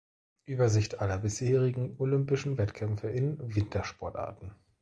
Übersicht aller bisherigen olympischen Wettkämpfe in Wintersportarten.